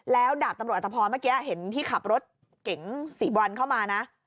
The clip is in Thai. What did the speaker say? แล้วดาบตำรวจอัตภพรเมื่อกี้เห็นที่ขับรถเก๋งสีบรอนเข้ามานะ